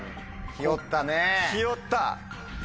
ひよった。